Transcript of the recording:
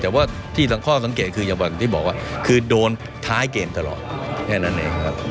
แต่ว่าที่ข้อสังเกตคืออย่างที่บอกว่าคือโดนท้ายเกมตลอดแค่นั้นเองครับ